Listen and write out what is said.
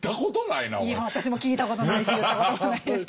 いや私も聞いたことないし言ったこともないですけど。